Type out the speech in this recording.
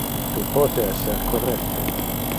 Tu pote ser correcte.